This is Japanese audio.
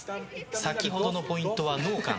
先ほどのポイントはノーカン。